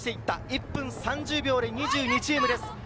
１分３０秒で２２チームです。